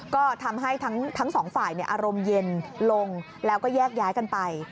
ก็ทำให้ทั้งสองฝ่ายอารมณ์เย็นลงแล้วก็แยกย้ายกันไป